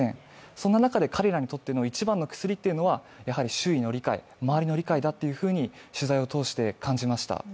そんな中で彼らにとっての一番の薬は周囲の理解、周りの理解だというふうに取材を通して感じました。